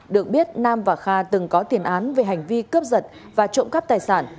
được biết nam và kha từng có tiền án về hành vi cướp giật và trộm cắp tài sản